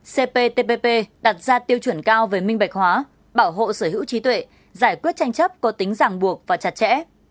cptpp đặt ra tiêu chuẩn cao về minh bạch hóa bảo hộ sở hữu trí tuệ giải quyết tranh chấp có tính giảng buộc và chặt chẽ